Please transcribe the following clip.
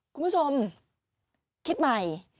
คุณผู้ชมคิดใหม่